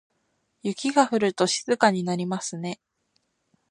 雪が降ると静かになりますね。